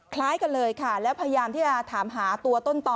คล้ายกันเลยค่ะแล้วพยายามที่จะถามหาตัวต้นต่อ